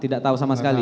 tidak tahu sama sekali